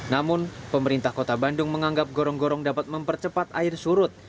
namun pemerintah kota bandung menganggap gorong gorong dapat mempercepat air surut